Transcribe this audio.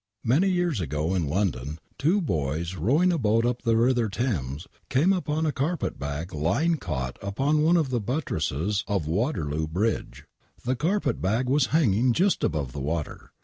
Many years ago in London two boys rowing a boat up the river Thames came upon a carpet bag lying caught upon one of the buttresses of Waterloo Bridge. The carpet bag was hanging just above the water